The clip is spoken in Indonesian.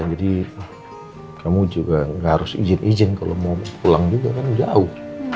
jadi kamu juga gak harus izin izin kalau mau pulang juga kan jauh